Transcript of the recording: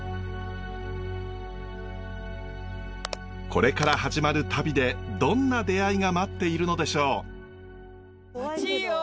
これから始まる旅でどんな出会いが待っているのでしょう。